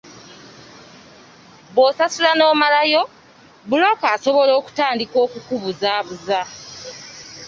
Bw’osasula n’omalayo, bbulooka asobola okutandika okukubuzaabuza.